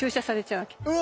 うわ！